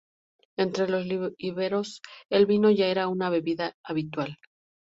Entre los íberos, el vino ya era una bebida habitual.